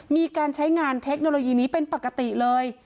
มีการใช้งานเทคโนโลยีนี้เป็นปกติเลย